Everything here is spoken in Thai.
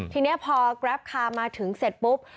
ทีนี้พอแกรปคาร์มาถึงเสร็จปุ๊บ